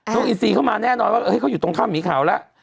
กอินซีเข้ามาแน่นอนว่าเขาอยู่ตรงข้ามหมีเขาแล้ว